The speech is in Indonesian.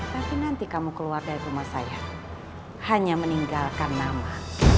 tapi nanti kamu keluar dari rumah saya hanya meninggalkan nama